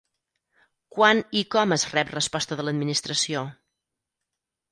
Quan i com es rep resposta de l'Administració?